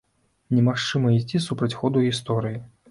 Немагчыма ісці супраць ходу гісторыі.